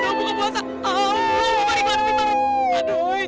aduh padahal kemarin pimpin